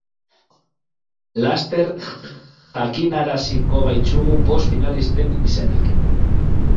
Laster jakinaraziko baititugu bost finalisten izenak.